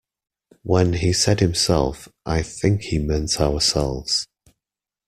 When he said himself I think he meant ourselves.